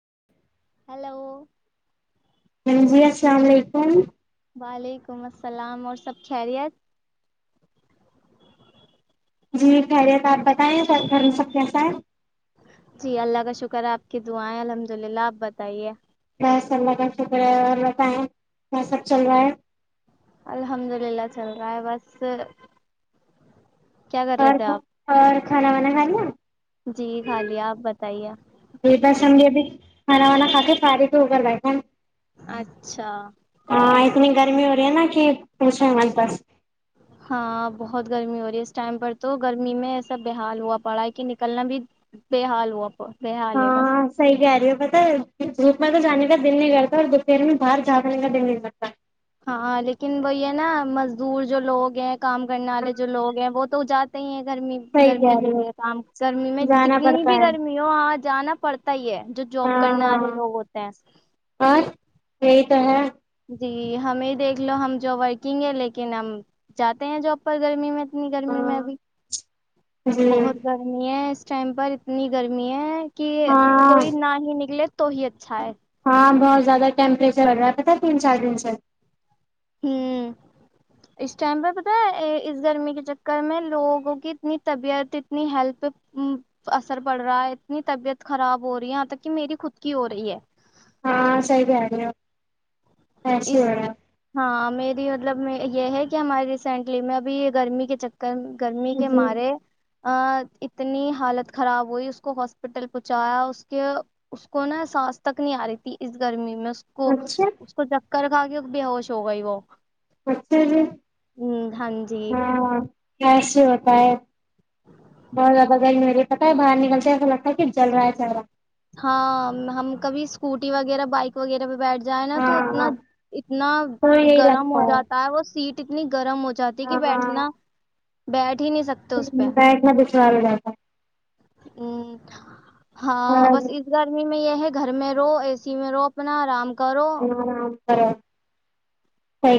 جی hello ہاں جی السلام علیکم وعلیکم السلام اور سب خیریت جی خیریت آپ بتائیں س گھر سب کیسا ہے جی اللہ کا شکر ہے آپ کی دعائیں الحمد للہ آپ بتائیے ب سلہ کا شکر ہے اورتا ہے کیا سب چل رہا ہے الحمد للہ چل رہا ہے بس کیا کر رہے تھے آپ کانا وانا نہیںائ نا جی خالی آپ بتائیے ہاناونا خاتص فاری تو اغر ب ہے اچھا ہاں اتنی گرمی ہو رہی ہے نا کہ پوچیں ہم پس ہاں بہت گرمی ہو رہی ہے اس ٹائم پر تو گرمی میں ایسا بے حال ہوا پڑا ہے کہ نکلنا بھی بے حال ہوا بے حال ہے بس ہاں صحی کہہ رہی ہو بس دھوپ میں تو جانے کا دل نہیں کرتا اور دوپہر میں باہر جاانے کا دل نہیں کرگتا ہاں لیکن وہ یہ ہے نا مزدور جو لوگ ہیں کام کرنے والے جو لوگ ہیں وہ تو ج تو [inaudible] گرمی صحیح گرمی کہہ کے رہی ہو لیے کام گرمی میں جانا کتنی پڑتا بھی ہے گرمی ہو وہاں جانا پڑتا ہی ہے جو جاب کرنے ہاں والے ہاں لوگ ہوتے ہیں اور یہی تو ہے [unintelligible] جی ہمیں دیکھ لو ہم جو ورکنگ ہے لیکن ہم جاتے ہیں جاب پر گرمی میں اتنی گرمی میں ابھی ہاں جی بہت گرمی ہے [unintelligible] اس ٹائم پر اتنی گرمی ہے کہ ہاں کوئی نہ ہی نکلے تو ہی اچھا ہے ہاں بہت زیادہ ٹیمپریچر لگ رہا پ تھا تین چار دن سے ہوں اس ٹائم پہ پتا ہے اس گرمی کے چکر میں لوگوں کی اتنی طبیعت اتنی ہیل پ اثر پڑ رہا ہے اتنی طبیعت خراب ہو رہی یہاں تک کہ میری خود کی ہو رہی ہے ہاں صحیح رہہ رہے ہو ایسے ہی اس ہو رہا ہاں میری [unintelligible] مطلب یہ ہے کہ ہمارے ریسینٹلی میں ابھی یہ گرمی کے چکر گرمی ہے کے جی مارے ا اتنی حالت خراب ہوئی اس کو ہاسپٹل پہنچایا اس کے اس کو نا سانس تک نہیں آ رہی تھی اس گرمی میں کو اچھا [unintelligible] کر کھا کے ب ہووش ہو گئی وہ اچھھر ہاں جی ہاں کیسے ہوتا ہے ب بغیر م یہے پتا ہے باہر نکلتے ایسا لگتا ہے کہ جل رہا ہے چل رہا ہے [unintelligible] ہاں ہم کبھی اسکوٹی وغیرہ بائک وغیرہ پہ بیٹھ ج جائے نا تو ہاں اتنا ہاں اتنا تو یہی گرم ہو لگتا جاتا ہے وہ سیٹ کتنی گرم ہو جاتی کہ بیٹھنا بیڈ تنا دشوار ہو جاتا [unintelligible] ام، ہے ہاں اور بس گرمی میں یہ ہے گھر میں رو اے سی میں رو اپنا آرام کو ہ [unintelligible] ہا [unintelligible]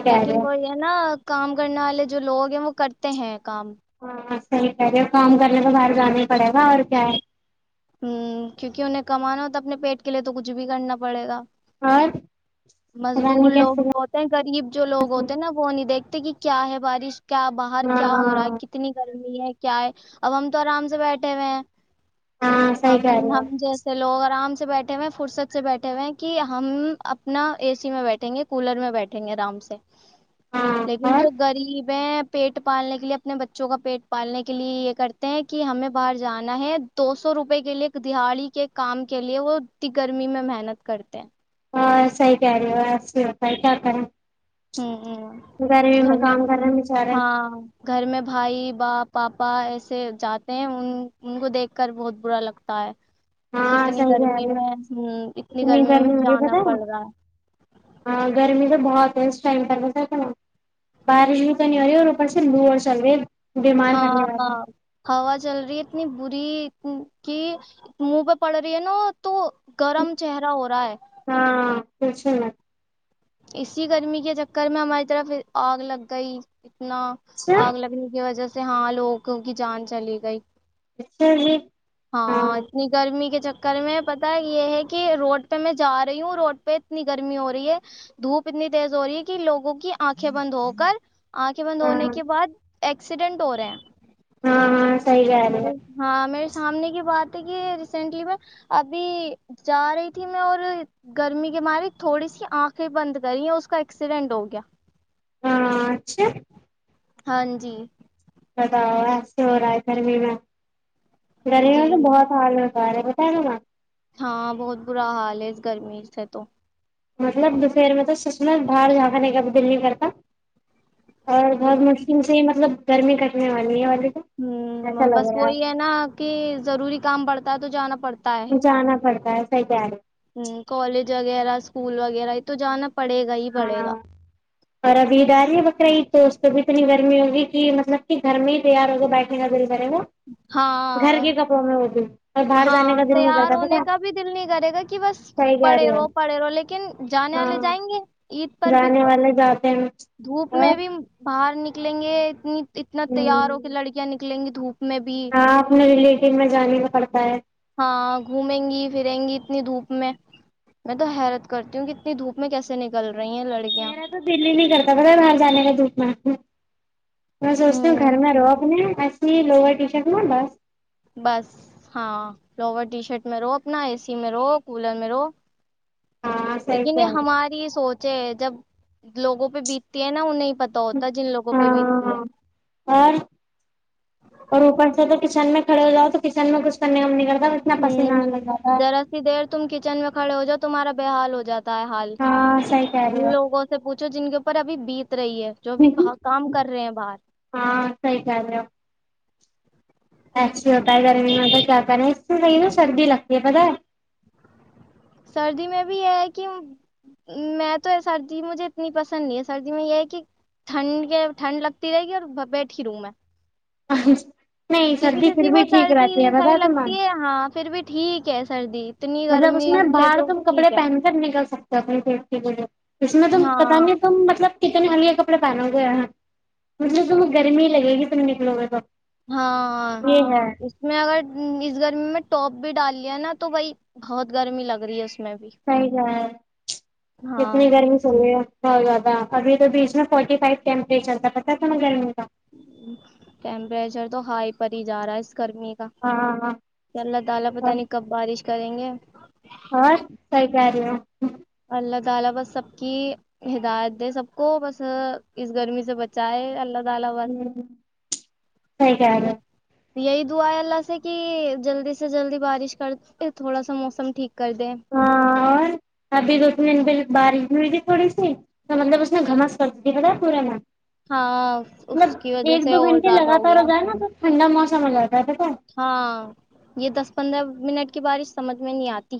لیکن وہ یہ نا کام کرنے والے جو لوگ ہیں وہ کرتے ہیں کم صحی کہہیے کام کرنے کے باہر جانا ہی پڑے گا اور کیا ہے [inaudible] ہ کیونکہ انہیں کمانا ہو تو اپنے پیٹ کے لیے تو کچھ بھی کرنا پڑے گا اور پتا مزدور نہیں لوگ کیسے جو ہوتے ہیں غریب جو لوگ ہوتے ہیں نا وہ نہیں دیکھتے کہ کیا ہے بارش کیا باہر ہاں کیا ہو رہا ہے ہاں کتنی ہے کیا ہے اب ہم تو آرام سے بیٹھے ہوئے ہیں ہاں صحیح ہم کہہ رہے ہو ہم جیسے لوگ آرام سے سے بیٹھے ہوئے ہیں فرصت سے بیٹھے ہوئے ہیں کہ ہم اپنا اے سی میں بیٹھیں گے کولر میں بیٹھیں گے آرام سے ہاں لیکن اور جو غریب ہیں پیٹ پالنے کے لیے اپنے بچوں کا پیٹ پالنے کے لیے یہ کرتے ہیں کہ ہمیں باہر جانا ہے دوست سو روپئے کے لیے دہاڑی کے کام کے لیے وہ گرمی میں محنت کرتے ہیں ہ سی ت رہے بس س کیا کریں [inaudible] ہ ہ گرمی گھر کام میں کر رہے ہیں بچارے ہاں گھر میں بھائی باپ پاپا ایسے جاتے ہیں ان ان کو دیکھ کر بہت برا لگتا ہے ہاں کتنی صحیح کہہ گرمی رہے ہو میں ہ اتنی گرمی میں بھی ہو رہی ہے جانا پتہ ہے پڑ رہا ہے ائم کر تھاک نا بارش بھی کنی ہو رہی ہے اور اوپر سے لو اور چل رہی ہے بیمار کرنے والی ہاں ہوا چل رہی اتنی بری کی منہ پہ پڑ رہی ہے نا تو گرم چہرہ ہو رہا ہے ہاں بس ن اسسی گرمی کے چکر میں ہماری طرف آگ لگ گئی اتنا اچھا آگ لگنے کی وجہ سے سے ہاں لوگوں کی جان چلے گا اس ہی ہاں اتنی گرمی کے چکر کر میں پتا یہ ہے کہ روڈ پہ میں جا رہی ہوں روڈ پہ اتنی گرمی ہو رہی ہے دھوپ اتنی تیز ہو رہی ہے کہ لوگوں کی آنکھیں بند ہو کر آنکھیں بند ہاں ہونے کے بعد ایکسیڈنٹ ہو رہے ہیں ہاں ہاں صحی گ ہے بس میرے ہاں میرے سامنے کی بات ہے کہ ریسینٹلی میں ابھی جا رہی تھی میں اور گرمی کے بارے تھوڑی سی آنکھیں بند کر رہی ہیں اس کا ایکسیڈینٹ ہو گیا ہاں اچھا ہاں جی بتاؤ ایسے ہو رہا ہے گرمی میں جی ڈریال تو بہت حال ہے سارے بتا رہ نا ہاں بہت برا حال ہے اس گرمی سے تو مطلب دوپہر میںلب سس میں باہر جھانکانے کا بھی دل نہیں کرتا اور دو بہت مشکل سے ہی مطلب گرمی کٹنے والی ہے اور ہ بس وہی ہے نا کہ ضروری کام پڑتا ہے تو جانا پڑتا ہے جانا پڑتا ہے صحیح کہہ رہے ہیں۔ ہ کالج وغیرہ اسکول وغیرہ ہے تو جانا پڑے گا ہی پڑے ہاں گا اوررب دال وکر ا تو توب اتنی گرمی ہوگی کہ مطلب کہ گھر میں ہی تیار ہوگے بیٹھنے کا بے وہ گھر ہاں کے کپڑوں میں وہ بھی اور باہر جانے ہاں کا دل نہیں تیار کرتا ہونے پتا کا بھی دل نہیں کرے گا کہ بس صحیح کہہ پڑھے رہی ہو رہو پڑھے رہو لیکن جانے والے ہاں جائیں گے عید پر بھی جانے والے جاتے ہیں دھوپ اور میں بھی باہر نہیں ک لیں گے اتنی اتنا تیار ہو کے لڑکیاں نکلیں گی دھوپ میں بھی ہاں اپنے ریلیٹیو میں جانینا پڑتا ہے ہاں گھومیں گی پھریں گ اتنی دھوپ میں میں تو حیرت کرتی ہوں کہ اتنی دھوپ میں کیسے نکل رہی ہیں لڑکیاں میرا تو دلی ہی نہیں کرتا پتا باہر جانے کا دکھ ہوں ہ میں سوچتی ہوں گھر میں رو اپنے لوور ٹی شرٹ ن بس بس ہاں لور ٹی شرٹ میں رو اپنا اے سی میں رو کولر میں رو ہاں صحیح لیکن کہہ یہ رہی ہماری سوچ ہے جب لوگوں پہ بیتتی ہے نا انہیں پت ہو ہوتا جن لوگوں پہ بیتی ہے ہاں اور کھڑ ہواؤ تو کچن میںچھنے نم نکل ہوں ذرا سی دیر تم کچن میں کھڑے ہو جا تمہارا بے حال ہو جات ہے حال ہاں صحیح کہہ رہی ان لوگوں سے پوچھو جن کے اوپر ابھی بیت رہی ہے جو بھی ہو ب کام کر رہے ہیں باہر ہاں ایسی ہوتا ہے گرمی میں تو کیا کریں اس سے صحی نا سردی لگتی ہے پت ہے سردی میں بھی یہ ہے کہ میں تو سردی مجھے اتنی پسند نہیں ہے سردی میں یہ ہے کہ ٹھنڈ ٹھنڈ لگتی رہے گی اور بیٹ ہی رہ میں [unintelligible] کسی سردی کسی پھر کو بھی ٹھیک سردی رہتی ہے پتہ صحیح تمہیں لگتی ہے ہاں پھر بھی ٹھیک ہے سردی اتنی مطلب اس گرمی میں سے باہر تو تم کپڑے ٹھیک ہے پہن کر نکل سکتے سبر پٹ کے بولے اس میں تم ہاں پتاؤ گے تم مطلب کتنا ہلیا کپڑا پہناو گیا مطلب توم گرمی ہی لگے گی توتنے نکلو گے تو ہاں یہ ہے اس میں اگر اس گرمی میں ٹاپ بھی ڈال لیا نا تو بائی بہت گرمی لگ رہی ہے اس میں بھی صحیح گ ہے ہاں کتنے گھرمی چلے گ ابھی تو بیچ میں فورٹی فائیو ٹیمپریچر تھا ہے تمہیں گرمی کا ٹمپریچر تو ہائی پری جا رہا ہے اس اور [unintelligible] کریں گے اور سیکاری [unintelligible] ہ سحی کہار ہے [unintelligible] یہی دعا ہے اللہ سے کہ جلدی سے جلدی بارش کرتے تھوڑا سا موسم ٹھیک [unintelligible] کر د ہیں [unintelligible] ہو ہاں اور ابھی دو بارش نہیں ہوئی تھی تھوڑی سی تو مطلب اس نے گھمس کر دی ت تھا تھا پورا نا [unintelligible] ہاں اس کی وجہ سے اور زیادہ ہو گیا [unintelligible] س مج جا [unintelligible] ہاں یہ دس پندرہ منٹ [unintelligible] کے بارش سمجھ میں نہیں آتی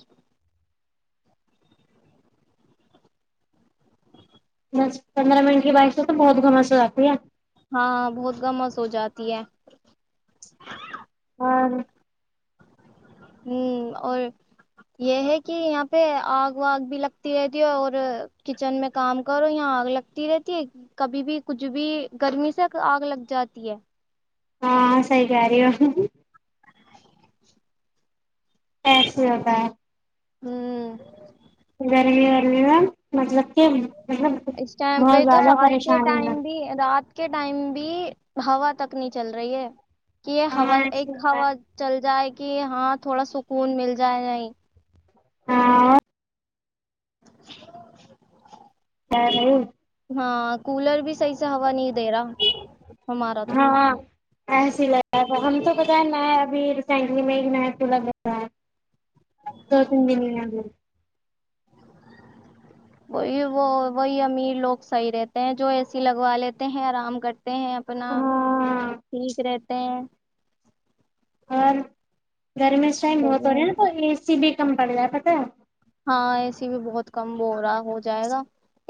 [unintelligible] بس پندرہ منٹ کی بائک سے تو بہت گھمس ہو جاتی ہے [unintelligible] ہاں بہت گمس ہو جاتی ہے [unintelligible] ہاں [inaudible] ہ اور یہ ہے کہ یہاں پہ آگ واگ بھی لگتی رہتی ہے اور کچن میں کام کرو یہاں آگ لگتی رہتی ہے کبھی بھی کچھ بھی گرمی سے آگ لگ جاتی ہے [unintelligible] ہاں صحیح صی کرارو [unintelligible] ایسے ہوتا [inaudible] ہوں [unintelligible] گرمی والرمی نا مطلب [unintelligible] اس ٹائم پہ بہت تو زیادہ رات کے پریشانی ہے ٹائم بھی رات کے ٹائم بھی [unintelligible] ہوا تک نہیں چل رہی ہے [unintelligible] کہ یہ ہاں ہوا ایسے ایک ہوتا ہوا ہے چل جائے [unintelligible] کہ ہاں تھوڑا سکون مل جائے نہیں [unintelligible] ہاں [unintelligible] نہیں ہاں کولر بھی صحیح سے ہوا نہیں دے رہا ہمارا تو ہاں ایسی لگا ہم تو پت ن اب [unintelligible] چائلی میں میں تلا با ہے دو تین دنے [unintelligible] وہی وہ وہی امیر لوگ صحیح رہتے ہیں جو اے سی لگوا لیتے ہیں آرام کرتے [unintelligible] ہیں اپنا ہاں ٹھیک رہتے ہیں [unintelligible] اور گرمی میں شاہید موت ہو رہی ہے لیکن نا تو اے سی بھی کم پڑ جا پت ہے ہاں اے سی بھی بہت کم ہو رہا ہو جائے گا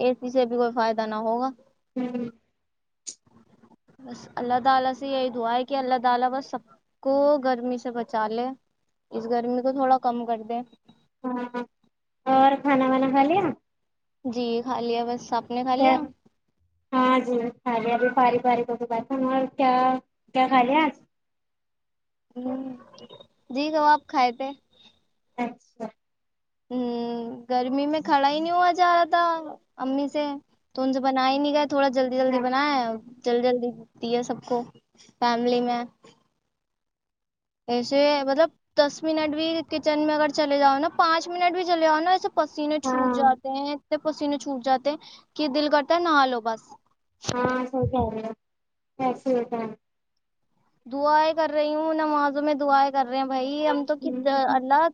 اے سی سے بھی کوئی فائدہ نہ ہوگا ہوں [unintelligible] ہاں اور کھانا وانا کھا ل جی کھا لیا بس سبپ کیا ہاں جی خال ابھی پار باریک و بات س کیا کیا خال آج ہ جی تو وہ آپ کھائے تھے اچھا ہ گرمی میں کھڑا ہی نہیں ہوا جا رہا تھا امی سے تو ان سے بنا ہی نہیں گیا تھوڑا جلدی جلدی سب بنایں چل جلدی دیا سب کو فیملی میں ایسے مطلب دس منٹ بھی کچن میں اگر چلے جاؤ نا پانچ منٹ بھی چلے جاؤ نا ایسے پسینے چھوٹ ہاں جاتے ہیں پسی ن چھوٹ جاتے کہ دل کرتا ہے نھالو بس بس دعائیں کر رہی ہوں نمازوں میں دعائیں کر رہے ہیں بھائی ہم تو اللہ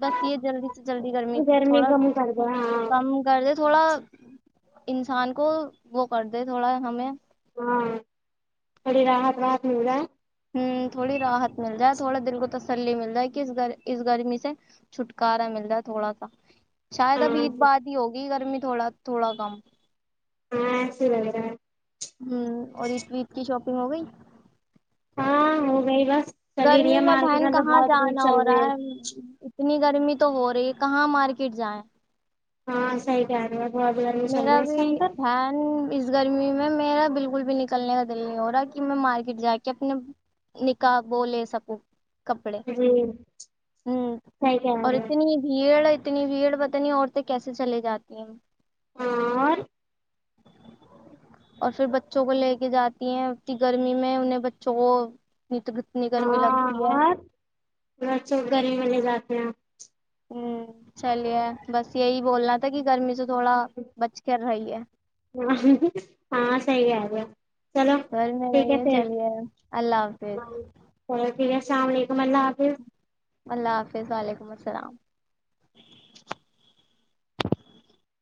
بس یہ جلدی سے جلدی گرمی تھوڑا کم کر دو ہاں کم کر د تھوڑا انسان کو وہ کر د تھوڑا ہمیں [unintelligible] ہ تھوڑی راحت مل جائے تھوڑا دل کو تسلی مل جائے کہ اس اس گرمی سے چھٹکارا مل جائے ہے تھوڑا سا شاید ہاں اب عید بار ہی ہوگی گرمی تھوڑا تھوڑا کم ہاں سیرا ہاں اور عید کی شاپنگ ہوگئے ہاں ہو گائی بس چل ہی رہی گرمی ہے میں مارکیٹ بہن تو کہاں بہت بھیڑ جانا چل ہو رہی رہا ہے اتنی گرمی تو ہو رہی ہے کہاں مارکیٹ جائ ہاں صحیح کہرہی ہو بہت گرمی چل میرا رہی ہے اس بھی ٹائم پر بین گرمی میں میرا بالکل بھی نکلنے کا دل نہیں ہو رہا کہ میں مارکیٹ جا کے اپنے نکاح بولے سب کو کپڑے جی صحیح کہہ اور رہے ہو اتنی بھیڑ اتنی بھیڑ پت نہیں عورتیں کیسے چلے جاتی ہیں اور اور پھر بچوں کو لے کے جاتی ہیں اتنی گرمی میں انہیں بچوں کو انی تو اتنی گرمی لگتی ہے بسوں گری میں لے جاتے ہیںپ ہوں چلیے بس یہی بولنا تھا کہ گرمی سے تھوڑا بچ کر رہی ہے صحی آ رہ ہے گھر میں رہیں پھر چلیے اللہ حافظ جی السلام علیکم اللہ حافظ اللہ حافظ وعلیکم السلام